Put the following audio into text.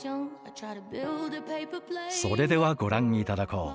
それではご覧頂こう。